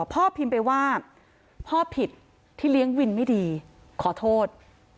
พ่อพิมพ์ไปว่าพ่อผิดที่เลี้ยงวินไม่ดีขอโทษ